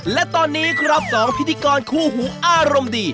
และตอนนี้ครับ๒พิธีกรคู่หูอารมณ์ดี